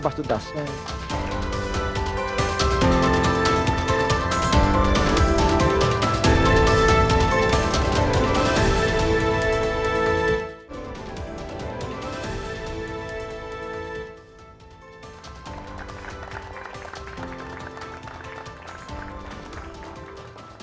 masih di kupas tuntas